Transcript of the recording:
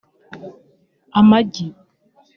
Amagi